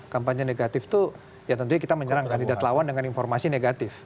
kampanye negatif itu ya tentunya kita menyerang kandidat lawan dengan informasi negatif